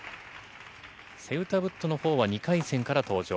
セウタブットのほうは２回戦から登場。